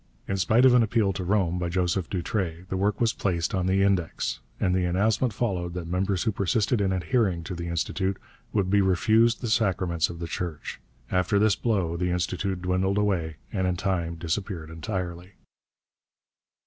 In spite of an appeal to Rome by Joseph Doutre the work was placed on the Index, and the announcement followed that members who persisted in adhering to the Institut would be refused the sacraments of the Church. After this blow the Institut dwindled away and in time disappeared entirely.